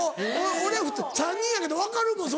俺３人やけど分かるもん